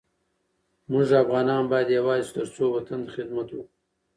مونږ افغانان باید یوزاي شو ترڅو وطن ته خدمت وکړو